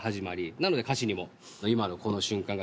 なので歌詞にも。